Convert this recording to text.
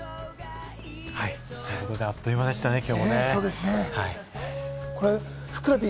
あっという間でしたね、今日も。